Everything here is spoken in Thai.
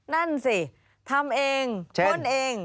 นั่นสิทำเองพ่นเอง